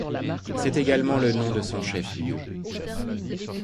C’est également le nom de son chef-lieu.